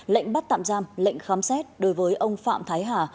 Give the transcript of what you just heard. lệnh bắt tạm giam lệnh khám xét đối với ông phạm thái hà